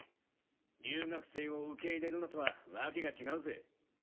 留学生を受け入れるのとはわけが違うぜ。